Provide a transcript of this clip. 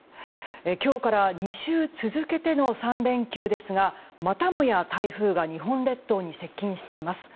今日から２週続けての３連休ですがまたもや台風が日本列島に接近しています。